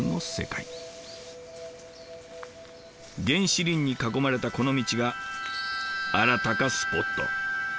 原始林に囲まれたこの道があらたかスポット。